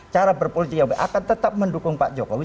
cara berpolisi yang akan tetap mendukung pak jokowi